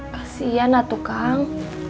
kasian lah tukang